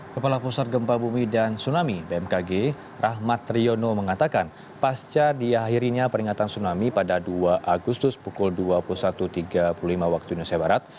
kepala pusat gempa bumi dan tsunami bmkg rahmat riono mengatakan pasca diakhirinya peringatan tsunami pada dua agustus pukul dua puluh satu tiga puluh lima waktu indonesia barat